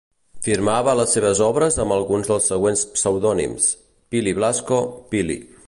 Firmava les seves obres amb alguns dels següents pseudònims; Pili Blasco, Pili.